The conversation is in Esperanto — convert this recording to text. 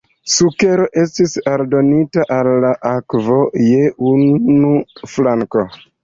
Sukero estis aldonita al la akvo je unu flanko.